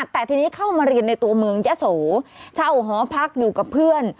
แต่ทีนี้เข้ามาเรียนในตัวเมืองยะโสเช่าหอพักอยู่กับเพื่อน